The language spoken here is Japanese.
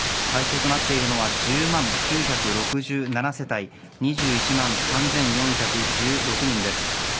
対象となっているのは１０万９６７世帯２１万３４１６人です。